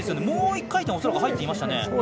もう１回転入っていましたよね。